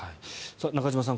中島さん